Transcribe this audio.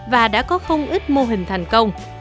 và đã có không ít mô hình thành công